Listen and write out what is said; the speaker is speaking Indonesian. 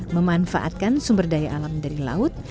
memanfaatkan sumber daya alam dari laut